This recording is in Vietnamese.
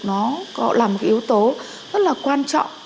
nó có làm cái yếu tố rất là quan trọng